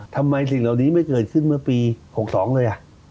สิ่งเหล่านี้ไม่เกิดขึ้นเมื่อปี๖๒เลย